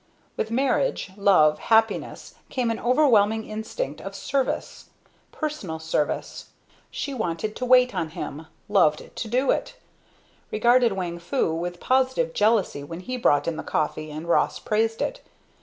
With marriage, love, happiness came an overwhelming instinct of service personal service. She wanted to wait on him, loved to do it; regarded Wang Fu with positive jealousy when he brought in the coffee and Ross praised it.